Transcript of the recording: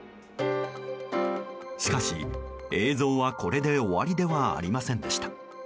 しかし、映像はこれで終わりではありませんでした。